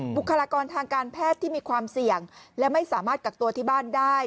บุคลากรทางการแพทย์ที่มีความเสี่ยงและไม่สามารถกักตัวที่บ้านได้